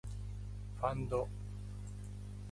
ファンド